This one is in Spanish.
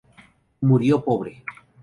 Murió pobre.